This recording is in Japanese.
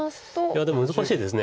いやでも難しいですこれ。